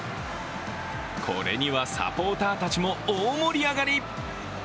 これにはサポーターたちも大盛り上がり。